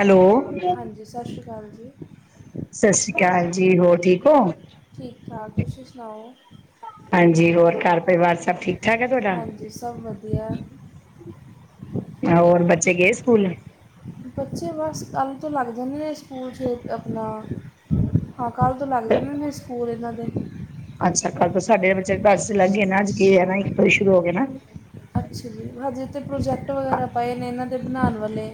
Hello ਹਾਂਜੀ ਸਤਿ ਸ਼੍ਰੀ ਅਕਾਲ ਜੀ ਸਤਿ ਸ੍ਰੀ ਅਕਾਲ ਜੀ ਹੋਰ ਠੀਕ ਹੋ। ਠੀਕ ਠਾਕ ਤੁਸੀਂ ਸੁਣਾਓ ਹਾਂਜੀ ਹੋਰ ਘਰ ਪਰਿਵਾਰ ਸਭ ਠੀਕ ਠਾਕ ਹੈ ਤੁਹਾਡਾ ਹਾਂਜੀ ਸਭ ਵਧ ਯਾ ਹੋਰ ਬੱਚੇ ਗਏ ਸਕੂਲ ਬੱਚੇ ਬਸ ਕੱਲ੍ਹ ਤੋਂ ਲੱਗ ਜਾਂਦੇ ਨੇ ਸਕੂਲ 'ਚ ਆਪਣਾ ਹਾਂ ਕੱਲ ਤੋਂ ਲੱਗ ਜਾਣੇ ਨੇ ਸਕੂਲ ਇਹਨਾਂ ਦੇ ਅੱਛਾ ਕੱਲ੍ਹ ਤੋਂ ਸਾਡੇ ਬੱਚੇ ਦੱਸ 'ਚ ਲੱਗ ਗਏ ਨਾ ਇੱਕ ਸ਼ੁਰੂ ਹੋ ਗਏ ਨਾ ਅੱਛਾ ਜੀ ਹਜੇ ਤੇ ਪ੍ਰੋਜੈਕਟ ਵਗੈਰਾ ਪਏ ਨੇ ਇਹਨਾਂ ਦੇ ਬਣਾਣ ਵਾਲੇ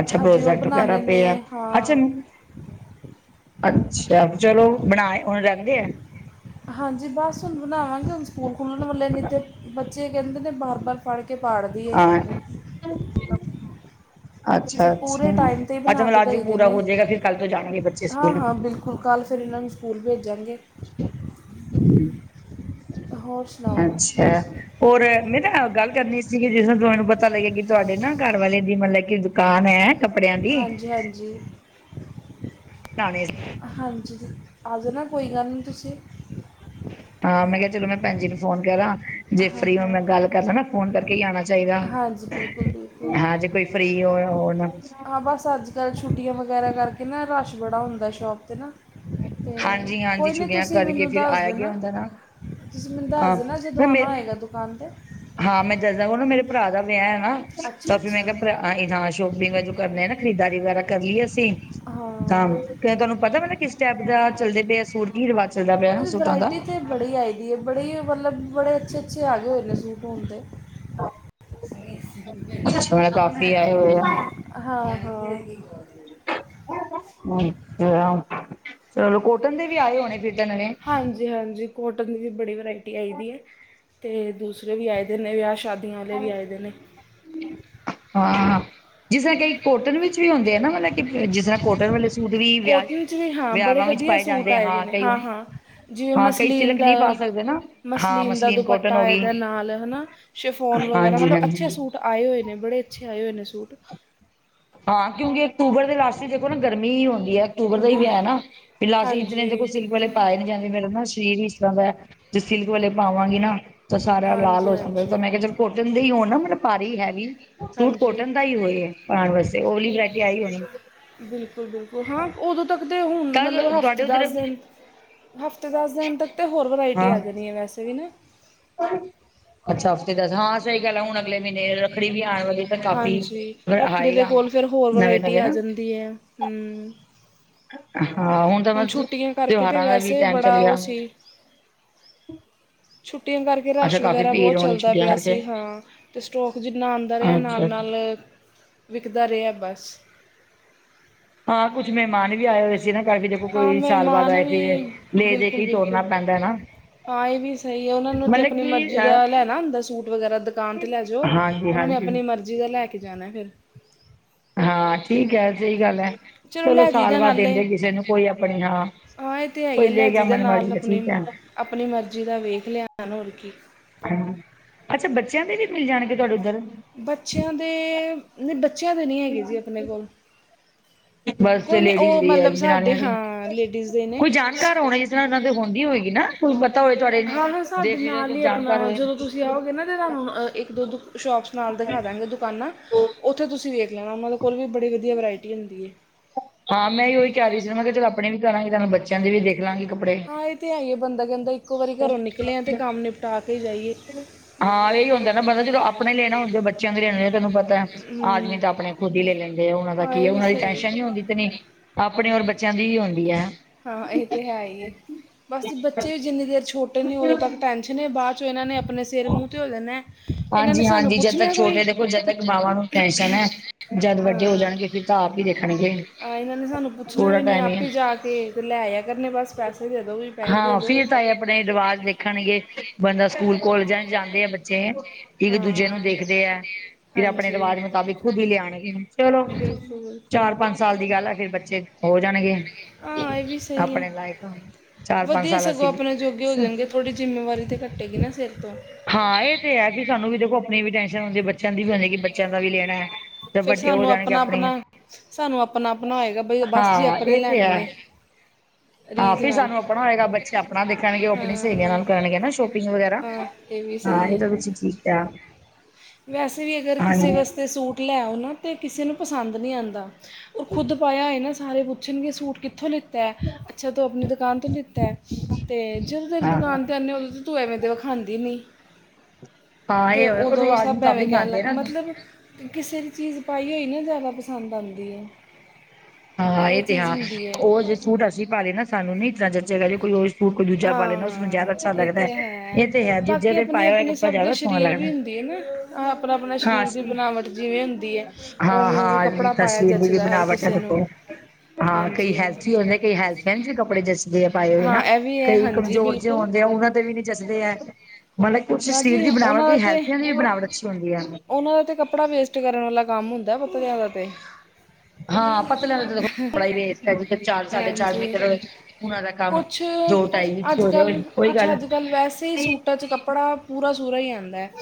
ਅੱਛਾ ਹਜੇ ਉਹ ਪ੍ਰੋਜੈਕਟ ਵਗੈਰਾ ਬਣਾਉਣੇ ਨੇ ਪੇ ਆ ਅੱਛਾ ਹਾਂ ਅੱਛਾ ਚਲੋ ਬਣਾ ਹੁਣ ਰਗਦੇ ਆ। ਹਾਂਜੀ ਬਸ ਹੁਣ ਬਣਾਵਾਂਗੇ ਹੁਣ ਸਕੂਲ ਖੁੱਲ੍ਹਣ ਵਾਲੇੇ ਨੇ ਬੱਚੇ ਕੈਂਦੇ ਨੇ ਬਾਰ-ਬਾਰ ਫੜ ਕੇ ਪਾੜਦੀ ਆਂ ਫਿਰ ਪੂਰੇ ਅੱਛਾ-ਅੱਛਾ-ਅੱਛਾ ਟਾਈਮ 'ਤੇ ਹੀ ਬਣਾ ਮਤਲਬ ਕੇ ਅੱਜ ਦਈਦੇ ਪੂਰਾ ਨੇ ਹੋ ਜਾਏਗਾ ਫਿਰ ਕੱਲ ਤੋਂ ਜਾਣਗੇ ਬੱਚੇ ਸਕੂਲ ਹੁਣ ਕੱਲ੍ਹ ਫਿਰ ਇਹਨਾਂ ਨੂੰ ਸਕੂਲ ਭੇਜਾਂਗੇ। ਹੋਰ ਸੁਣਾਓ ਅੱਛਾ ਹੋਰ ਮੈਂ ਨਾ ਗੱਲ ਕਰਨੀ ਸੀਗੀ ਜਿਸੂੰ ਤੁਹਾਨੂੰ ਪਤਾ ਲੱਗਿਆ ਕਿ ਤੁਹਾਡੇ ਨਾ ਘਰ ਵੱਲੇ ਦੀ ਮਤਲਬ ਕਿ ਦੁਕਾਨ ਹੈ। ਕੱਪੜਿਆਂ ਦੀ ਹਾਂਜੀ ਹਾਂਜੀ। ਬਣਾਉਣੇ ਹਾਂਜੀ, ਆ ਜਾਓ ਨਾ ਕੋਈ ਗੱਲ ਨਹੀਂ ਤੁਸੀਂ। ਹਾਂ, ਮੈਂ ਕਿਹਾ ਚਲੋ ਮੈਂ ਭੈਣ ਜੀ ਨੂੰ ਫੋਨ ਕਰਾਂ। ਜੇ ਹਾਂ ਫਰੀ ਹੋ ਹਾਂ ਮੈਂ ਗੱਲ ਕਰਦਾ ਨਾ ਫੋਨ ਕਰਕੇ ਹੀ ਆਉਣਾ ਚਾਹੀਦਾ, ਹਾਂਜੀ ਬਿਲਕੁਲ ਬਿਲਕੁਲ ਹਾਂ ਜੇ ਕੋਈ ਫ੍ਰਰੀ ਹੋਇਆ ਹੋਣਾ ਛੂਟੀਆਂ ਵਗੈਰਾ ਕਰਕੇ ਨਾ, ਰਸ਼ ਬੜਾ ਹੁੰਦਾ ਸ਼ੋਪ 'ਤੇ ਨਾ। ਤੇ, ਹਾਂਜੀ ਹਾਂਜੀ ਕੋਈ ਨਹੀਂ ਛੁੱਟੀਆਂ ਤੁਸੀਂ ਕਰਕੇ ਮੈਨੂੰ ਫਿਰ ਦੱਸ ਆਇਆ ਗਿਆ ਦੇਣਾ। ਹੁੰਦਾ ਨਾ ਤੁਸੀਂ ਮੈਨੂੰ ਦੱਸ ਹਾਂ ਦੇਨਾ, ਨਾ ਜਦੋਂ ਮੈਂ ਆਉਣਾ ਹੋਏਗਾ ਦੁਕਾਨ ਤੇ। ਹਾਂ ਮੈਂ ਦੱਸਦਾ ਉਹ ਨਾ ਮੇਰੇ ਭਰਾ ਦਾ ਵਿਆਹ ਹੈ ਨਾ, ਅੱਛਾ ਤਾਂ ਫਿਰ ਮੈਂ ਅੱਛਾ ਕਿਹਾ ਅਸੀ ਨਾਲ ਸ਼ੋਪਿੰਗ ਵਜੋਂ ਕਰਨੇ ਨਾ ਖਰੀਦਾਰੀ ਵਗੈਰਾ ਕਰ ਲਈਏ ਅਸੀਂ, ਹਾਂ ਆਹੋ। ਤੁਹਾਨੂੰ ਪਤਾ ਮੈ ਕਿਸ ਟਾਈਪ ਦਾ ਚੱਲਦੇ ਪਿਆ ਸੂਟ, ਕੀ ਰਿਵਾਜ ਚੱਲਦਾ ਪਿਆ ਸੂਟਾਂ ਦਾ? ਇਹ ਬੜੇ ਮਤਲਬ ਬੜੇ ਅੱਛੇ, ਅੱਛੇ ਆਗੇ ਹੋਏ ਨੇ ਸੂਟ ਹੁਣ ਤੇ। ਅੱਛਾ, ਹੁਣ ਕਾਫੀ ਆ ਹੋਏ ਆ। ਹਾਂ ਹਾਂ। ਅੱਛਾ, ਚਲੋ ਕੋਟਨ ਦੇ ਵੀ ਆਏ ਹੋਣੇ ਫਿਰ ਤਾਂ ਨਵੇਂ? ਹਾਂਜੀ ਹਾਂਜੀ ਕੋਟਨ ਦੀ ਵੀ ਬੜੀ ਵਰਾਇਟੀ ਆਈ ਦੀ ਹੈ, ਤੇ ਦੂਸਰੇ ਵੀ ਆਏ ਦੇ ਨੇ ਵਿਆਹ ਸ਼ਾਦੀ ਵਾਲੇ ਵੀ ਆਏ ਨੇ। ਹਮ। ਹਾਂ, ਜਿਸ ਤਰ੍ਹਾਂ ਕਈ ਕੋਟਨ ਵਿੱਚ ਵੀ ਹੁੰਦੇ ਆ ਨਾ ਮਤਲਬ ਕਿ ਜਿਸ ਤਰ੍ਹਾਂ ਕੋਟਨ ਵਾਲੇ ਸੂਟ ਵੀ ਵਿਆਹ ਕੋਟਿਨ 'ਚ ਵੀ ਹਾਂ, ਬੜੇ ਵਿਆਵਾਂ ਵਿੱਚ ਵਧੀਆ ਪਾਏ ਸੂਟ ਜਾਂਦੇ ਆ। ਆਏ ਗਏ ਨੇ, ਕਈ ਹਾਂ ਹਾਂ। ਜਿਵੇਂ ਹਾਂ ਕਈ ਮਸਲੀਨ ਸਿਲਕ ਦਾ, ਨਹੀਂ ਪਾ ਸਕਦੇ ਨਾ ਹਾਂ ਮਸਲੀਨ ਦਾ ਕੋਟਨ ਹੋ ਦੁਪੱਟਾ ਗਈ ਇਹਦੇ ਨਾਲ, ਹਨਾ। ਸ਼ਿਫੋਨ ਵਗੈਰਾ, ਹਾਂਜੀ ਮਤਲਬ ਅੱਛੇ ਹਾਂਜੀ ਸੂਟ ਆਏ ਹੋਏ ਨੇ, ਬੜੇ ਅੱਛੇ ਆਏ ਹੋਏ ਨੇ ਸੂਟ। ਹਾਂ, ਕਿਉਂਕਿ ਅਕਤੂਬਰ ਦੇ ਲਾਸਟ ਵਿੱਚ ਦੇਖੋ ਨਾ ਗਰਮੀ ਹੀ ਉਂਦੀ ਹੈ। ਅਕਤੂਬਰ ਦਾ ਹੀ ਬਿਲ ਵਿਆ ਏ ਨਾ, ਫਿਰ ਅਸੀ ਇਧ ਕੋਲ ਹਾਂਜੀ ਸਿਲਕ ਵਾਲੇ ਪਾਏ ਨੀ ਜਾਂਦੇ, ਮੇਰਾ ਨਾ ਸ਼ਰੀਰ ਹੀ ਇਸ ਤਰਾ ਦਾ ਐ। ਜੇ ਸਿਲਕ ਵਾਲੇ ਪਾਵਾਂਗੀ ਨਾ ਤਾ ਸਾਰਾ ਲਾਲ ਹਾਂਜੀ ਹੋ ਜਾਂਦਾ ਤਾਂ, ਹਾਂਜੀ ਮੈ ਕੇਆ ਚਲ ਕੋਟਨ ਦੇ ਹੀ ਹੋਣ ਮਤਲਬ ਪਾਰੀ, ਹੈਵੀ ਸੂਟ ਹਾਂਜੀ ਕੋਟਨ ਦਾ ਹੀ ਹੋਏ, ਪਾਣ ਵਸਤੇ ਓਲੀ ਵਰਾਇਟੀ ਆਈ ਹੋਣੀ ਬਿਲਕੁਲ, ਬਿਲਕੁਲ ਹਾਂ, ਓਦੋ ਤੱਕ ਤੇ ਹੁਨ ਮਤਲਬ ਤਦ ਹਫਤੇ ਤੁਹਾਡੇ ਦੱਸ ਉੱਧਰ ਦਿਨ ਹਫਤੇ, ਦਸ ਦਿਨ ਤੱਕ ਤੇ ਹੋਰ ਵਰਾਇਟੀ ਹਾਂ ਆ ਜਾਣੀ ਹੈ ਵੈਸੇ ਵੀ ਨਾ। ਅੱਛਾ, ਹਫਤੇ ਦੱਸ, ਹਾਂ ਸਹੀ ਗੱਲ ਐ, ਹੁਣ ਅਗਲੇ ਮਈਨੇ ਰੱਖੜੀ ਵੀ ਆਣ ਵਾਲੀ ਤਾਂ ਕਾਫ਼ੀ ਹਾਂਜੀ, ਰੱਖੜੀ ਦੇ ਆਏਗਾ ਕੋਲ ਫਿਰ ਹੋਰ ਨਵੇਂ ਵਰਾਇਟੀ ਨਵੇਂ ਆ ਨਾ ਜਾਂਦੀ ਏ, ਹੂੰ। ਹਾਂ, ਹੁਣ ਤਾਂ ਹੁਨ ਬਸ ਛੁੱਟੀਆਂ ਕਰਕੇ ਤੇ ਤਿਉਹਾਰਾਂ ਦਾ ਵੀ ਵੈਸੇ ਟਾਈਮ ਚੱਲ ਬੜਾ ਓ ਗਿਆ ਸੀ, ਛੁੱਟੀਆਂ ਕਰ ਅੱਛਾ ਰਸ਼ ਕਾਫ਼ੀ ਵਗੈਰਾ ਭੀੜ ਬੋਤ ਹੋਣੀ ਚੱਲਦਾ ਛੁੱਟੀਆਂ ਪਿਆ ਕਰਕੇ ਸੀ, ਹਾਂ ਤੇ ਸਟੋਕ ਜਿੰਨਾ ਆਂਦਾ ਰਿਆ, ਨਾਲ ਅੱਛਾ ਅੱਛਾ ਨਾਲ ਵਿਕਦਾ ਰਿਆ ਬਸ ਹਾ, ਕੁੱਛ ਮੇਮਾਨ ਵੀ ਆਏ ਹੋਏ ਸੀ ਇਨਾਂ ਕਰਕੇ ਹਾਂ ਕੋਈ ਸਾਲ ਬਾਦ ਮਹਿਮਾਨ ਆਏ ਸੀਗੇ, ਵੀ ਲੇ-ਦੇ ਬਿਲਕੁਲ ਕੇ ਤੋਰਨਾ ਬਿਲਕੁਲ ਪੈਂਦਾ ਨਾ। ਹਾਂ ਏ ਵੀ ਸਹੀ ਐ, ਉਨਾਂ ਨੂੰ ਤੇ ਮਤਲਬ ਅਪਨੀ ਕਿ ਮਰਜੀ ਅ ਦਾ ਲੈਣਾ ਹੁੰਦਾ ਸੂਟ ਵਗੈਰਾ ਦੁਕਾਨ ਤੇ ਲੈ ਜੋ, ਹਾਂਜੀ ਓਨਾਂ ਨੇ ਹਾਂਜੀ ਅਪਨੀ ਮਰਜੀ ਦਾ ਲੈ ਕੇ ਜਾਣਾ ਫੇਰ ਹਾਂ, ਠੀਕ ਐ, ਸਹੀ ਗੱਲ ਐ। ਚਲੋ ਲੈ ਸਾਲ ਜਈਦਾ ਬਾਦ ਨਾਲੇ ਦਿੰਦੇ ਕਿਸੇ ਨੂੰ ਕੋਈ ਆਪਣੀ, ਹਾਂ, ਹਾਂ ਇਹ ਕੋਈ ਲੇ ਗਏ ਮਨ ਮਰਜੀ ਤਾ ਠੀਕ ਐ। ਅਪਨੀ ਮਰਜੀ ਦਾ ਵੇਖ ਲੇਆ ਹੈਨ, ਹੋਰ ਕੀ। ਹ, ਅੱਛਾ ਬੱਚੇਆਂ ਦੇ ਵੀ ਮਿਲ ਜਾਣਗੇ ਤੁਆਡੇ ਓਧਰ? ਬੱਚੇਆਂ ਦੇ, ਨੀ ਬੱਚੇਆਂ ਦੇ ਨਹੀ ਹੈਗੇ ਜੀ ਅਪਨੇ ਕੋਲ। ਬਸ ਤੇ ਕੋਈ ਨੀ, ਲੇਡੀਜ਼ ਓ ਦੀ ਹੈ ਮਤਲਬ ਸਾਡੇ, ਜਨਾਨੀਆਂ ਦੀ ਹਾਂ ਲੇਡੀਜ ਦੇ ਨੇ। ਏਨਾਂ ਦੇ ਹੋਂਦੀ ਹੋਏਗੀ ਨਾ। ਕੀ ਪਤਾ ਓਏ ਤੁਹਾਡੇ ਹਾਂ, ਹਾਂ, ਸਾਡੇ ਦੇਖ ਨਾਲ ਕੋਈ ਈ ਅਪਨਾ, ਜਾਣਕਾਰ ਹੋਏ ਜਦੋ ਤੁਸੀ ਆਓਗੇ ਨਾ ਤਾ ਤਾਨੂੰ ਇੱਕ-ਦੋ ਦੁ ਸ਼ੋਪਸ ਨਾਲ ਦਿਖਾ ਦਾਂਗੇ ਦੁਕਾਨਾ। ਹੋ ਓਥੇ ਤੁਸੀਂ ਵੇਖ ਲੈਣਾ, ਓਨਾਂ ਕੋਲ ਵੀ ਬੜੀ ਵਦੀਆ ਵੈਰਾਇਟੀ ਹੁੰਦੀ ਏ। ਹਾਂ, ਮੈਂ ਉਹੀ ਕੈ ਰਹੀ ਸੀ ਨਾ, ਮੈਂ ਕੇਹਾ ਚਲ ਅਪਨੇ ਵੀ ਕਰਾਂਗੀ ਤਾ ਬੱਚੇਆਂ ਦੇ ਵੀ ਦੇਖ ਲਾਂਗੀ। ਕੱਪੜੇ ਹਾਂ ਏਹ ਤਾਂ ਹੈ ਹੀ, ਬੰਦਾ ਕੈਂਦਾ ਇੱਕੋ ਵਾਰੀ ਘਰੋ ਨਿਕਲੇ ਆ ਤੇ ਕੰਮ ਨਿਪਟਾ ਕੇ ਈ ਜਾਈਏ। ਹਾਂ, ਏਹੀ ਹੁੰਦਾ ਨਾ ਬੰਦਾ ਜਦੋ ਆਪਣੇ ਲੈਣਾ ਹੁੰਦੇ, ਬੱਚੇਆਂ ਦੇ ਲੈਣੇ ਹੁੰਦੇ ਤੁਆਨੂੰ ਪਤਾ ਤਾ, ਹਮ ਆਦਮੀ ਤਾਂ ਆਪਣੇ ਖੁਦ ਹੀ ਲੈ ਲੈਂਦੇ ਆ, ਓਨਾਂ ਦਾ ਹਾਂ ਕੀ ਇਹ ਐ ਵੀ ਓਨਾਂ ਦੀ ਸਹੀ ਹੈ ਟੈਸ਼ਨ ਨੀ ਹੁੰਦੀ। ਆਪਣੇ ਔਰ ਬੱਚੇਆਂ ਦੀ ਹੀ ਹੁੰਦੀ ਹੈ। ਹਾਂ, ਏਹ ਤਾਂ ਹੈ ਹੀ ਹੇ, ਬਸ ਜ ਬੱਚੇ ਵੀ ਜਿੰਨੀ ਦੇਰ ਛੋਟੇ ਨੇ ਓਦੋਂ ਤੱਕ ਟੈਸ਼ਨ ਏ ਬਾਦ ਚੋਂ ਏਨਾਂ ਨੇ ਅਪਨੇ ਸਿਰ ਮੂੰਹ ਤੇ ਹੋ ਜਾਨਾ, ਏਨਾ ਨੇ ਹਾਂਜੀ ਸਾਨੂੰ ਹਾਂਜੀ ਜਦ ਤੱਕ ਪੁੱਛਣਾ ਕੋਈ। ਛੋਟੇ ਦੇਖੋ ਜਦ ਤੱਕ ਮਾਵਾਂ ਨੂੰ ਟੈਸ਼ਨ ਹੈ ਜਦ ਵੱਡੇ ਹੋ ਜਾਣਗੇ ਫਿਰ ਤਾਂ ਆਪ ਈ ਦੇਖਣਗੇ। ਏਨਾ ਨੇ ਸਾਨੂੰ ਪੁੱਛਣਾ ਥੋੜਾ ਵੀ ਨਈ, ਟਾਈਮ ਹੀ ਹੈ ਆਪੇ ਜਾ ਕੇ ਤੇ ਲੈ ਆ ਕਰਨੇ ਬਸ ਪੈਸੇ ਦੇ ਦੋ ਵੀ ਪੈਸੇ ਦੇ ਹਾਂ, ਦੋ। ਫਿਰ ਤਾ ਏ ਅਪਨੇ ਰਿਵਾਜ ਵੇਖਣਗੇ ਬੰਦਾ ਸਕੂਲ, ਕੋਲਜਾ ਚ ਜਾਦੇ ਆ ਬੱਚੇ ਇੱਕ ਦੂਜੇ ਨੂੰ ਹਾਂ ਦੇਖਦੇ ਐ। ਫਿਰ ਆਪਣੇ ਹਾਂਜੀ ਰਿਵਾਜ ਮੁਤਾਬਿਕ ਖੁਦ ਹੀ ਲਿਆਣ ਗੇ, ਚਲੋ ਬਿਲਕੁਲ ਬਿਲਕੁਲ ਚਾਰ-ਪੰਜ ਸਾਲ ਦੀ ਗੱਲ ਆ ਫਿਰ ਬੱਚੇ ਹੋ ਜਾਣਗੇ ਹਾਂ ਇਹ ਵੀ ਸਹੀ ਹੈ। ਆਪਣੇ ਲਾਇਕ, ਚਾਰ-ਪੰਜ ਸਾਲ ਅਸੀ ਵੀ ਥੋੜੀ ਜਿੰਮੇਵਾਰੀ ਤਾ ਕੱਟੇਗੀ ਨਾ ਸਿਰ ਤੋ। ਹਾਂ, ਏਹ ਤੇ ਹੈ, ਵੀ ਸਾਨੂੰ ਵੀ ਦੇਖੋ ਅਪਨੀ ਵੀ ਟੈਸ਼ਨ ਹੁੰਦੀ ਹੈ, ਬੱਚੇਆਂ ਦੀ ਵੀ ਹੁੰਦੀ ਹੈ ਕਿ ਬੱਚੇਆ ਦਾ ਵੀ ਲੇਣਾ ਹੈ। ਤੇ ਫਿਰ ਵੱਡੇ ਹੋ ਸਾਨੂੰ ਜਾਣਗੇ ਅੱਪਣਾ ਅੱਪਣਾ, ਆਪਣੀਆਂ ਸਾਨੂੰ ਅੱਪਣਾ ਅੱਪਣਾ ਹੋਏਗਾ ਬਈ ਬਸ ਜੀ ਹਾਂ ਅਪਨੇ ਲੈਣੇ ਨੇ। ਹਾ, ਰੀਝ ਫਿਰ ਨਾਲ। ਸਾਨੂੰ ਅੱਪਣਾ ਹੋਏਗਾ, ਬੱਚੇ ਅੱਪਣਾ ਦੇਖਣਗੇ, ਓਹ ਅੱਪਣੀ ਸਏਲੀਆ ਹਾਂ ਨਾਲ ਕਰਨਗੇ ਨਾ ਸ਼ੋਪਿੰਗ ਵੈਰਾ, ਹਾਂ ਇਹ ਵੀ ਹਾਂ ਸਹੀ ਏ ਹੈ ਤਾ ਤੁਸੀ ਠੀਕ ਕੇਆ। ਵੈਸੇ ਵੀ ਅਗਰ ਕਿਸੇ ਵਾਸਤੇ ਸੂਟ ਲੈਓ ਨਾ, ਤਾ ਕਿਸੇ ਨੂੰ ਪਸੰਦ ਨਈ ਆਂਦਾ। ਓਹ ਖੁਦ ਪਾਇਆ ਆਏ ਨਾ ਸਾਰੇ ਪੁੱਛਣਗੇ ਸੂਟ ਕਿੱਥੋਂ ਲਿੱ ਤੈ, ਅਛਾ ਤੂੰ ਅਪਣੀ ਦੁਕਾਨ ਤੋਂ ਲਿੱਤਾ ਤੇ ਜਦੋ ਤੇਰੀ ਹਾਂ ਦੁਕਾਨ ਤੇ ਆਨੇ ਆ ਉਦੋ ਤੂੰ ਐਵੇ ਦੇ ਵਖਾਂਦੀ ਨੀ। ਹਾਂ, ਇਹ ਹੋ, ਓ ਰਵਾਜ ਭਾਵੇਂ ਕਹਿਣ ਲੱ ਮਤਲਬ ਕਿਸੇ ਦੀ ਚੀਜ਼ ਪਾਈ ਹੋਈ ਨਾ ਜ਼ਿਆਦਾ ਪਸੰਦ ਆਉਂਦੀ ਹੈ ਹਾਂ ਇਹ ਤੇ ਚੀਜ਼ ਹਾਂ ਹੁੰਦੀ ਹੈ ਉਹ ਜੇ ਸੂਟ ਅਸੀਂ ਪਾ ਲਏ ਨਾ ਸਾਨੂੰ ਨੀ ਇਸ ਤਰ੍ਹਾਂ ਜਚਿਆ ਕਹਿ ਜ ਕੋਈ ਕੋਈ ਦੂਜਾ ਪਾ ਲੈਦਾ ਉਸਨੂੰ ਹਾਂ ਜਿਆਦਾ ਅੱਛਾ ਇਹ ਲੱਗਦਾ ਤੇ ਹੈ ਇਹ ਤੇ ਹੈ ਦੂਜੇ ਬਾਕੀ ਤੇ ਆਪਣੀ ਪਾਇਆ ਹੋਇਆ ਆਪਣੀ ਕੱਪੜਾ ਸਭ ਦੇ ਜ਼ਿਆਦਾ ਸੋਹਣਾ ਸਰੀਰ ਲੱਗਦਾ ਵੀ ਹੁੰਦੀ ਹੈ ਨਾ ਆਹ ਆਪਣਾ ਆਪਣਾ ਹਾਂ ਸਰੀਰ ਦੀ ਬਣਾਵਟ ਜਿਵੇਂ ਹੁੰਦੀ ਹੈ। ਹਾਂ ਉਵੇਂ ਉਵੇਂ ਹਾਂ ਅਮੀ ਕੱਪੜਾ ਪਾਇਆ ਤਸਵਰਲੀ ਵੀ ਜੱਚਦਾ ਹਰ ਬਣਾਵਟ ਕਿਸੇ ਨੂੰ ਹਾਂ ਕਈ ਹਾਂਜੀ ਹੈਲਥੀ ਹੁੰਦੇ ਕਈ ਹੈਲਥ ਵੀ ਕੱਪੜੇ ਜ ਦੇ ਪਾਓ ਹਾਂ ਨਾ ਇਹ ਵੀ ਹੈ ਕਈ ਹਾਂਜੀ ਕਮਜ਼ੋਰ ਜਿਹੇ ਬਿਲਕੁਲ ਹੋਣਦੇ ਆ ਉਹਨਾਂ ਤੇ ਵੀ ਨੀ ਜੱਸਦੇ ਹੈ ਮਤਲਬ ਕੁਛ ਨਾ ਸਰੀਰ ਜੀ ਦੀ ਉਹਨਾਂ ਬਣਾਵਟ ਦਾ ਹੈਲਥ ਤੇ ਦੀ ਵੀ ਬਣਾਵਟ ਅੱਛੀ ਹੁੰਦੀ ਹੈ। ਉਹਨਾਂ ਦਾ ਤੇ ਕੱ ਕੱਪੜਾ ਵੇਸਟ ਕਰਨ ਵਾਲਾ ਕੰਮ ਹੁੰਦਾ ਪਤਾ ਲਿਆਦਾ ਤੇ ਹਾਂ ਪਤਲਿਆਂ ਦਾ ਕੱਪੜਾ ਹੀ ਵਸਟੇ ਜਿੱਰ ਚਾਰ ਸਾਢੇ ਚਾਰ ਹਾਂਜੀ ਮੀਟਰ ਹੋ। ਉਹਨਾਂ ਦਾ ਕੰਮ ਕੁਛ ਦੋ ਢਾਈ ਵਿੱਚ ਅੱਜ ਜਾਵੇ ਕੱਲ੍ਹ ਕੋਈ ਕੁਛ ਗੱਲ ਅੱਜ ਕੱਲ੍ਹ ਵੈਸੇ ਹੀ ਸੂਟਾਂ ਚ ਕੱਪੜਾ ਪੂਰਾ ਸੂਰਾ ਹੀ ਆਉਂਦਾ ਹੈ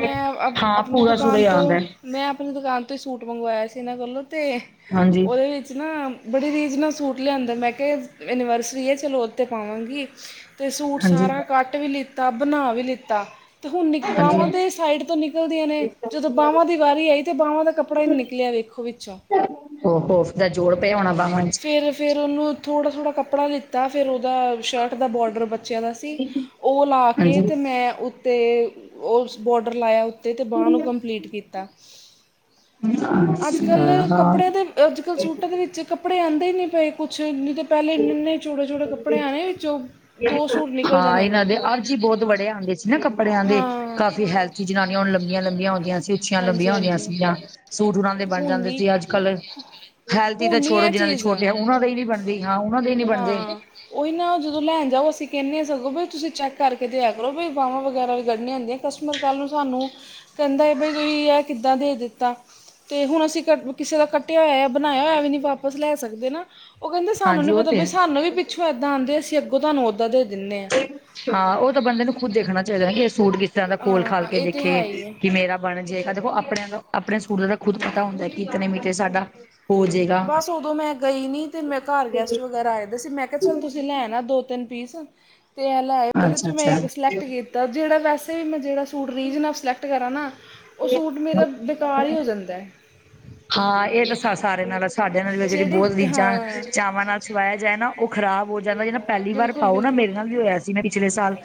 ਮੈਂ ਅ ਹਾਂ ਆਪਣੀ ਪੂਰਾ ਸੂਰਾ ਦੁਕਾਨ ਹੀ ਤੋਂ ਆਉਂਦਾ ਹੈ। ਮੈਂ ਆਪਣੀ ਦੁਕਾਨ ਤੋਂ ਹੀ ਸੂਟ ਮੰਗਵਾਇਆ ਸੀ ਇਹਨਾਂ ਕੋਲੋਂ ਅਤੇ ਹਾਂਜੀ ਉਹਦੇ ਵਿੱਚ ਨਾ ਬੜੇ ਰੀਜ਼ ਨਾਲ ਸੂਟ ਲਿਆਂਦੇ ਮੈਂ ਕਿਹਾ ਐਨੀਵਰਸਰੀ ਹੈ ਚਲੋ ਉਹ 'ਤੇ ਪਾਵਾਂਗੀ। ਤੇ ਸੂਟ ਹਾਂਜੀ ਸਾਰਾ ਕਟ ਵੀ ਲਿੱਤਾ ਬਣਾ ਵੀ ਲਿੱਤਾ। ਤੇ ਹੁਣ ਨਿਕ ਹਾਂਜੀ ਬਾਹਾਂ ਦੇ ਸਾਈਡ ਤੋਂ ਨਿਕਲਦੀਆਂ ਨੇ ਜਦੋਂ ਬਾਹਵਾਂ ਦੀ ਵਾਰੀ ਆਈ ਤਾਂ ਬਾਹਵਾਂ ਦਾ ਕੱਪੜਾ ਨੀ ਨਿਕਲਿਆ ਵੇਖੋ ਵੀ ਅਛਾ ਉਹ ਹੋਫ ਦਾ ਜੋੜ ਪਿਆ ਹੋਣਾ ਬਾਹਵਾਂ 'ਚ ਫੇਰ- ਫੇਰ ਉਹਨੂੰ ਥੋੜਾ- ਥੋੜਾ ਕੱਪੜਾ ਦਿੱ ਤਾਂ ਫੇਰ ਉਹਦਾ ਸ਼ਰਟ ਦਾ ਬੋਡਰ ਬੱਚਿਆਂ ਦਾ ਸੀ ਉਹ ਲਾ ਕੇ ਹਾਂਜੀ ਤੇ ਮੈਂ ਉੱਥਤੇ ਉਸ ਬੋਡਰ ਲਾਇਆ ਵਾਂ। ਤੇ-ਤੇ ਬਾਨ ਨੂੰ ਕੰਪਲੀਟ ਕੀਤਾ, ਅੱਜ ਕੱਲ ਹਾਂ ਕੱਪੜਿਆ ਤੇ ਹਾਂ ਅੱਜ ਕੱਲ ਸੂਟਾਂ ਦੇ ਵਿੱਚ ਕੱਪੜੇ ਉਂਨਦੇ ਹੀ ਨਹੀਂ ਪਏ ਕੁਛ ਨਹੀਂ ਤਾਂ ਪਹਿਲੇ ਇੰਨ ਇਨੇ ਚੋੜੇ- ਚੋੜੇ ਕੱਪੜੇ ਆਉਣੇ ਵਿਚੋ ਦੋ ਸੂਟ ਨਿਕਲ ਜਾਣੇ। ਜੀ ਬਹੁਤ ਬੜੇ ਆਉਂਦੇ ਸੀ ਨਾ ਕੱਪੜਿਆਂ ਦੇ ਹਾਂ ਕਾਫੀ ਹੈਲਥੀ ਜਨਾਨੀਆਂ ਹੁਣ ਲੰਬੀਆਂ- ਲੰਬੀਆਂ ਹੁੰਦੀਆਂ। ਉੱਚੀ- ਉੱਚੀਆਂ ਲੰਭੀਆਂ ਹਾਂਜੀ ਹੁੰਦੀਆਂ ਹਾਂਜੀ ਸੀਗੀਆਂ। ਸੂਟ ਉਹਾਂ ਦੇ ਬਣ ਹੁਣ ਜਾਂਦੇ ਨਹੀਂ ਸੀ, ਅੱਜ ਕੱਲ ਹੈਲਥੀ ਹੁਣ ਤਾਂ ਨਹੀਂ ਛੋੜੋ ਇਹ ਜਿਨਾਂ ਦੇ ਚੀਜ਼ ਛੋਟੇ ਆ ਉਹਨਾਂ ਦੇ ਹੀ ਨੀ ਬਣ ਹਾਂ ਉਹਨਾਂ ਦੇ ਹੀ ਨੀ ਬਣਦੇ। ਹਾਂ ਉਹੀ ਨਾ ਜਦੋਂ ਲੈਣ ਜਾਓ ਅਸੀਂ ਕਹਿੰਦੇ ਹਾਂ ਸਗੋਂ ਵੀ ਤੁਸੀਂ ਚੈੱਕ ਕਰਕੇ ਦੇਆ ਕਰੋ ਵੀ ਬਾਹਵਾਂ ਵਗੈਰਾ ਵੀ ਕੱਢਣੀਆਂ ਹੁੰਦੀਆਂ। ਕਸਟਮਰ ਕੱਲ ਨੂੰ ਸਾਨੂੰ, ਕਹਿੰਦਾ ਹੈ ਬਈ ਤੁਸੀਂ ਆ ਕਿੱਦਾਂ ਦੇ ਦਿੱਤਾ। ਤੇ ਹੁਣ ਅਸੀਂ ਕ ਕਿਸੇ ਦਾ ਕੱਟਿਆ ਹੋਇਆ ਬਣਾਇਆ ਹੋਇਆ ਵੀ ਨੀ ਵਾਪਸ ਲੈ ਸਕਦੇ ਨਾ ਉਹ ਕਹਿੰਦੇ ਸਾਨੂੰ ਨੀ ਹਾਂਜੀ ਉਹ ਪਤਾ। ਤੇ ਵੀ ਹੈ ਸਾਨੂੰ ਵੀ ਪਿੱਛੋਂ ਇੱਦਾਂ ਆਂਦੇ ਹੈ ਅਸੀਂ ਅਗੋਂ ਤੁਹਾਨੂੰ ਉਦਾ ਦੇ ਦਿੰਦੇ ਹਾਂ। ਹਾਂ ਉਹ ਤਾਂ ਬੰਦੇ ਨੂੰ ਖੁੱਦ ਦੇਖਣਾ ਚਾਹੀਦਾ ਕਿ ਇਹ ਸੂਟ ਕਿਸ ਤਰਾਂ ਦਾ ਖੋਲ- ਖਾਲ ਹਾਂ ਕੇ ਇਹ ਤਾਂ ਦੇਖੇ, ਹੈ ਹੀ ਹੈ ਕਿਵੇ ਦਾ। ਬਣ ਜਾਏਗਾ ਦੇਖੋ ਆਪਣੇ ਦਾ ਆਪਣੇ ਸੂਟ ਦਾ ਖੁਦ ਪਤਾ ਹੁੰਦਾ ਕਿਤਨੇ ਮੀਟਰ ਸਾਡਾ ਹੋ ਜਾਏਗਾ ਬਸ ਉਦੋਂ ਮੈਂ ਗਈ ਨਹੀਂ ਤੇ ਮੈਂ ਘਰ ਗੈਸਟ ਵਗੈਰਾ ਆਏ ਦ ਸੀ ਮੈਂ ਕਿਹਾ ਚੱਲ ਤੁਸੀਂ ਲੈਣਾ ਆ ਦੋ- ਤਿੰਨ ਪੀਸ। ਤੇ ਏਹ ਲੇ ਅਅਏ ਉਹਦੇ ਚ ਅੱਛਾ ਮੈਂ ਅੱਛਾ ਇਕ ਸਿਲੈਕਟ ਕੀਤਾ ਜੇਹੜਾ ਵੈਸੇ ਵੀੈਂ ਮੈਂ ਜੇਹੜਾ ਸੂਟ ਰੀਝ ਨਾਲ ਸਲੈਕਟ ਕਰਦੀ। ਤਾ ਨਾ ਉਹ ਸੂਟ ਮੇਰਾ ਬੇਕਾਰ ਹੀ ਹੋ ਜਾਂਦਾ। ਹਾਂ ਇਹ ਤਾਂ ਸਾਰੇ ਨਾਲ ਸਾਡੇ ਨਾਲ ਵੀ ਜਿਹੜੀ ਬਹੁਤ ਰੀਝਾਂ, ਚਾਵਾਂ ਨਾਲ ਸਵਾਇਆ ਜਾਏ ਨਾ, ਉਹ ਖਰਾਬ ਹੋ ਜਾਂਦਾ ਜਿਹੜਾ ਪਹਿਲੀ ਵਾਰ ਬਿਲਕੁਲ ਪਾਓ ਨਾ ਬਿਲਕੁਲ ਮੇਰੇ ਨਾਲ ਵੀ ਹੋਇਆ ਸੀ। ਜਿਵੇਂ ਪਿਛਲੇ ਸਾਲ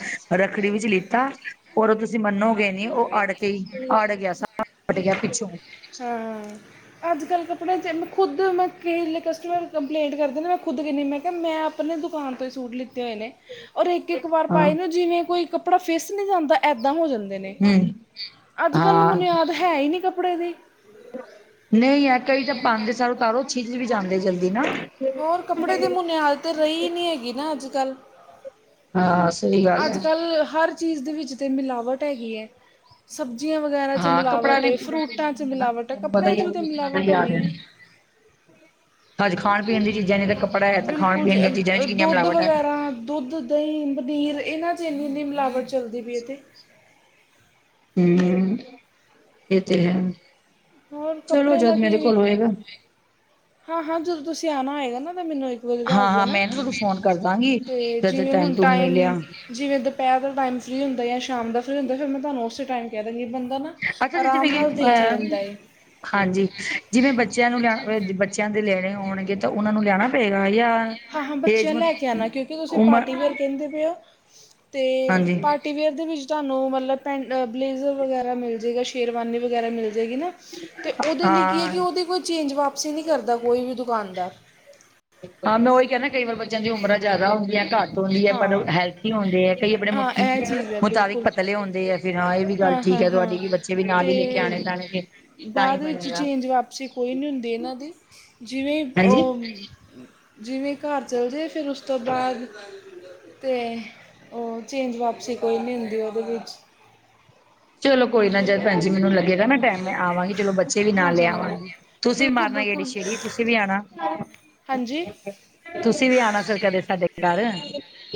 ਰੱਖੜੀ ਵਿੱਚ ਲਿੱਤਾ, ਉਹ ਤੁਸੀਂ ਮੰਨੋਗੇ ਨੀ ਉਹ ਅੜ ਕੇ ਹੀ, ਅੜ ਗਿਆ ਸਾਰਾ ਪਟ ਗਿਆ ਪਿੱਛੋਂ। ਹਾਂ ਅੱਜ ਕੱਲ ਕੱਪੜਿਆਂ ਚ ਮੈਂ ਖੁੱਦ ਮੈਂ ਕਿਲੇ ਕਸਟਮਰ ਕੰਪਲੇਂਟ ਕਰਦੇ ਨੇ ਮੈਂ, ਖੁਦ ਕੇਨੀ ਮੈਂ ਕਿਹਾ ਮੈਂ ਆਪਣੇ ਦੁਕਾਨ ਤੋਂ ਹੀ ਸੂਟ ਲਿੱਤੇ ਹੋਏ ਨੇ। ਔਰ ਇੱਕ- ਇੱਕ ਵਾਰ ਹਾਂ ਪਾਏਦੇ ਜਿਵੇਂ ਕੋਈ ਕੱਪੜਾ ਫਿਸ ਨਹੀਂ ਜਾਂਦਾ ਏਦਾਂ ਹੋ ਜਾਂਦਾ। ਨੇ ਹਮ ਅੱਜ ਕੱਲ ਨੂੰ ਹਾਂ ਬੁਨਿਆਦ ਹੈ ਹੀ ਨੀ ਕੱਪੜੇ ਦੀ, ਨਹੀਂ ਹੈ ਕਈ ਤਾਂ ਪਾਉਦੇ ਸਾਰ ਓਤਾਰੋ ਛਿਜ ਵੀ ਜਾਂਦੇ ਜਲਦੀ ਨਾ। ਹੋਰ ਕੱਪੜੇ ਦੀ ਮੁਨਿਆਦ ਤਾਂ ਰਹੀ ਨਹੀਂ ਹੈਗੀ ਨਾ ਅੱਜ ਕੱਲ। ਹਾਂ ਸਹੀ ਗੱਲ ਅੱਜ ਹੈ ਕੱਲ ਹਰ ਚੀਜ਼ ਦੇ ਵਿੱਚ ਤਾਂ ਮਿਲਾਵਟ ਹੈਗੀ ਹੈ। ਸਬਜ਼ੀਆਂ ਵਗੈਰਾ 'ਚ ਹਾਂ ਕੱਪੜਾ ਮਿਲਾਵਟ ਵੀ ਏ, ਪੂਰਾ ਫਰੂਟਾਂ 'ਚ ਜ਼ਰੂਰੀ ਨਾ ਮਿਲਾਵਟ ਹੈ, ਕੱਪੜਿਆਂ 'ਚ ਵੀ ਤਾਂ ਮਿਲਾਵਟ ਹੋਣੀ ਹੈ। ਕੋਈ ਹੈਂ। ਹੱਜ ਖਾਣ- ਪੀਣ ਦੀ ਚੀਜ਼ਾਂ ਨੇ, ਤਾਂ ਕੱਪੜਾ ਹੈ, ਤਾਂ ਖਾਣ- ਬਿਲਕੁਲ ਜੀ ਪੀਣ ਦੀਆਂ ਚੀਜ਼ਾਂ ਚ ਕਿੰਨੀਆਂ ਦੁੱਧ ਮਿਲਾਵਟ ਹੈ। ਵਗੈਰਾ ਦੁੱਧ ਦਹੀਂ, ਪਨੀਰ ਇਹਨਾਂ 'ਚ ਇੰਨੀ- ਇੰਨੀ ਮਿਲਾਵਟ ਚੱਲਦੀ ਪਈ ਏ ਅਤੇ ਹੂੰ ਇਹ ਤੇ ਹੈ ਹੋਰ ਚਲੋ ਕੱਪੜੇ ਜਦ ਦਾ ਮੇਰੇ ਕੀ ਕੋਲ ਹੋਏਗਾ। ਹਾਂ- ਹਾਂ ਜਦੋਂ ਤੁਸੀਂ ਆਉਣਾ ਹੋਏਗਾ ਨਾ ਤਾਂ ਮੈ ਤੁਸੀਂ ਦੱਸ ਹਾਂ ਹਾਂ ਦੇਣਾ ਮੈਂ ਨਾ ਤੁਹਾਨੂੰ ਫੋਨ ਕਰ ਦਾਂਗੀ ਤੇ ਜਦ ਜਿਵੇਂ ਹੁਣ ਟੂਮ ਟਾਈਮ ਮਿਲਿਆ ਜਿਵੇਂ ਦੋਪੈਹਿਰ ਦਾ ਟਾਈਮ ਫਰੀ ਹੁੰਦਾ ਜਾਂ, ਸ਼ਾਮ ਦਾ ਫਰੀ ਹੁੰਦਾ ਫੇਰ ਮੈਂ ਤੁਹਾਨੂੰ ਉਸੇ ਟਾਈਮ ਕਹਿ ਦਾਂਗੀ ਬੰ- ਦਾ ਨਾ ਅੱਛਾ ਆਰਾਮ ਜਿਵੇਂ ਕਿ ਨਾਲ ਦੇਖ ਅਹ ਲੈਂਦਾ ਏ। ਹਾਂਜੀ ਜਿਵੇਂ ਬੱਚਿਆਂ ਨੂੰ ਲਿਆਣਾ ਬੱਚਿਆਂ ਦੇ ਲੈਣੇ ਹੋਣਗੇ ਤਾਂ ਉਹਨਾਂ ਨੂੰ ਲਿਆਣਾ ਪਏਗਾ, ਜਾਂ ਹਾਂ- ਹਾਂ ਏਜ ਬੱਚਿਆਂ ਲੈ ਕੇ ਆਉਣਾ ਕਿਉਂਕਿ ਤੁਸੀਂ ਉਮਰ ਪਾਰਟੀ ਵੇਅਰ ਕਹਿੰਦੇ ਪਏ ਹੋ, ਤੇ ਹਾਂਜੀ ਪਾਟੀ ਵੇਅਰ ਦੇ ਵਿੱਚ ਤੁਹਾਨੂੰ ਮਤਲਬ ਪੈਂਟ ਬਲੇਜ਼ਰ ਵਗੈਰਾ ਮਿਲ ਜਾਵੇਗਾ, ਸ਼ੇਰਵਾਨੀ ਵਗੈਰਾ ਮਿਲ ਜਾਵੇਗੀ, ਪਰ ਤੇ ਉਹਦੇ ਲਈ ਕੀ ਹਾਂ ਹੈ ਕਿ ਉਹਦੀ ਕੋਈ ਚੇਂਜ ਵਾਪਸੀ ਨਹੀਂ ਕਰਦਾ ਕੋਈ ਵੀ ਦੁਕਾਨਦਾਰ। ਹਾਂ ਮੈਂ ਉਹੀ ਕਹਿੰ ਨਾ ਕਈ ਵਾਰ ਬੱਚਿਆਂ ਦੀਆਂ ਉਮਰਾਂ ਜ਼ਿਆਦਾ ਹੁੰਦੀਆਂ, ਘੱਟ ਹੁੰਦੀਆਂ ਪਰ ਹਾਂ ਹੈਲਥ- ਹੁੰਦੇ ਹੈ, ਕਈ ਆਪਣੇ ਹਾਂ ਇਹ ਚੀਜ਼ ਹੈ ਮੁਤਾਬਿਕ ਬਿਲਕੁਲ ਪਤਲੇ ਹੁੰਦੇ ਆ। ਫ ਹਾਂ ਇਹ ਵੀ ਗੱਲ ਠੀਕ ਹਾਂ ਹੈ ਹਾਂ ਤੁਹਾਡੀ, ਵੀ ਬੱਚੇ ਵੀ ਨਾਲ ਹੀ ਲੈ ਕੇ ਅਤੇ ਆਉਣੇ ਪੈਣੇਗੇ। ਬਾਅਦ ਵਿੱਚ ਚੇਂਜ, ਵਾਪਸੀ ਕੋਈ ਨੀ ਹੁੰਦੀ ਇਹਨਾਂ ਦੀ। ਜਿਵੇਂ ਹਾਂਜੀ ਉਹ, ਜਿਵੇਂ ਘਰ ਚਲ ਜੇ ਫਿਰ ਉਸ ਤੋਂ ਬਾਅਦ ਤੇ ਉਹ, ਚੇਂਜ ਵਾਪਸੀ ਕੋਈ ਨਹੀਂ ਹੁੰਦੀ ਉਹਦੇ ਵਿੱਚ ਚਲੋ ਕੋਈ ਨਾ ਜਦ ਭੈਣਜੀ ਮੈਨੂੰ ਲੱਗੇਗਾ ਮੈਂ ਟਾਈਮ, ਮੈਂ ਆਵਾਂਗੀ। ਚਲੋ ਬੱਚੇ ਵੀ ਹਾਂ ਨਾਲ ਲੈ ਹਾਂ ਆਵਾਂਗੀ, ਤੁਸੀਂ ਵੀ ਬਿਲਕੁਲ ਮਾਰਨਾ ਗੇੜੀ ਬਿਲਕੁਲ ਸ਼ੇੜੀ, ਤੁਸੀਂ ਵੀ ਆਣਾ। ਹਾਂਜੀ ਤੁਸੀਂ ਵੀ ਆਉਣਾ ਸਰ ਕਦੇ ਸਾਡੇ ਘਰ।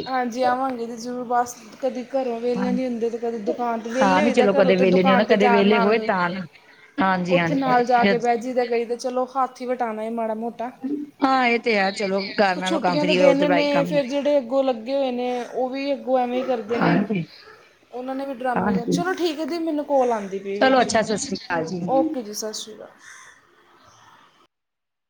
ਹਾਂਜੀ ਆਵਾਂਗੇ ਜੀ ਜ਼ਰੂਰ ਬਸ ਕਦੀ ਘਰੋਂ ਵਿਹਲੇ ਹਾਂ ਨੀ ਹੁੰਦੇ, ਤੇ ਕਦੀ ਦੁਕਾਨ ਤੇ ਵਿਹਲੇ ਹਾਂ ਨੀ ਹੋਈਦੇ ਚਲੋ ਘਰੋਂ ਕਦੇ ਤੇ ਵੇਲੇ ਨੀ ਹੋਣਾ ਦੁਕਾਨ ਤੇ ਕਦੇ ਜਾਣ ਵੇਲੇ ਹੋਏ ਨਾਲ ਤਾਂ ਆਉਣਾ ਹਾਂਜੀ ਉੱਥੇ ਨਾਲ ਜਾ ਕੇ ਹਾਂਜੀ ਬਹਿ ਜ ਦਾ ਐ, ਕਈ ਦਾ ਤੇ ਚਲੋ ਹੱਥ ਹੀ ਵਟਾਉਣਾ ਮਾੜਾ ਮੋਟਾ ਹਾਂ ਇਹ ਤੇ ਹੈ ਚਲੋ ਘਰ ਨਾਲੋਂ ਕੰਮ ਛੁੱਟੀਆਂ ਦੇ ਫਰੀ ਹੋਇਆ ਉਧਰ ਦਿਨ ਬਾਈ ਨੇ, ਕੰਮ ਫਿਰ ਜਿਹੜੇ ਅੱਗੋਂ ਲੱਗੇ ਹੋਏ ਨੇ, ਉਹ ਵੀ ਅੱਗੋਂ ਐਵੇਂ ਕਰਦੇ ਨੇ। ਹਾਂਜੀ ਉਹਨਾਂ ਨੇ ਵੀ ਡਰਾਮੇ, ਹਾਂਜੀ ਚਲੋ ਠੀਕ ਹੈ ਦੀ ਮੈਨੂੰ ਕੋਲ ਆਉਂਦੀ ਪ ਈ ਚਲੋ ਵਿਚ ਅੱਛਾ ਸਤਿ ਸ੍ਰੀ ਅਕਾਲ ਜੀ ਸਤਿ ਸ਼੍ਰੀ ਅਕਾਲ।